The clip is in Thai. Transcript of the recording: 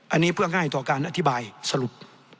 อันนี้เพื่อง่ายต่อการอธิบายสรุป